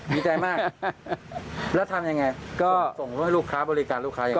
ดีใจมากแล้วทำยังไงก็ส่งให้ลูกค้าบริการลูกค้ายังไง